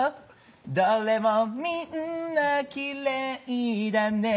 「どれもみんなきれいだね」